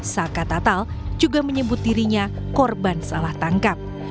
saka tatal juga menyebut dirinya korban salah tangkap